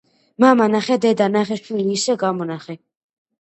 მამა ნახე, დედა ნახე, შვილი ისე გამონახე